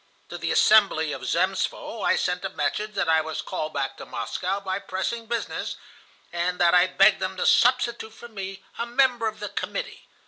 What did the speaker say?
To the assembly of Zemstvo I sent a message that I was called back to Moscow by pressing business, and that I begged them to substitute for me a member of the Committee.